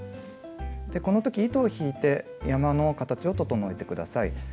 この時糸を引いて山の形を整えて下さい。